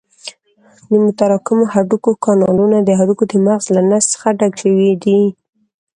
د متراکمو هډوکو کانالونه د هډوکو د مغزو له نسج څخه ډک شوي دي.